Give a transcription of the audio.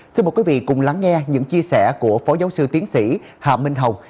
xin mời quý vị cùng lắng nghe những chia sẻ của phó giáo sư tiến sĩ hà minh hồng